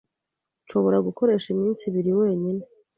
Nshobora gukoresha iminsi ibiri wenyine.